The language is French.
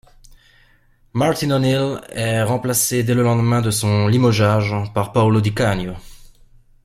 Martin O'Neill est remplacé dès le lendemain de son limogeage par Paolo Di Canio.